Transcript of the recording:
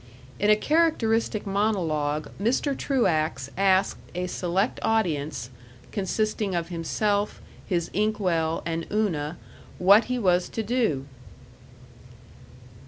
In a characteristic monologue Mr. Truax asked a select audience, consisting of himself, his inkwell, and Una, what he was to do.